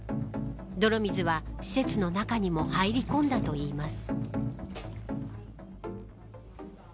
泥水は施設の中にも入り込んだといいます。